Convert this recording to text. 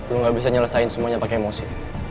lu gak bisa nyelesain semuanya pakai emosi